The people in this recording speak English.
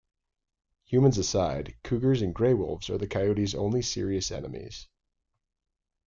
Humans aside, cougars and gray wolves are the coyote's only serious enemies.